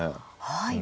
はい。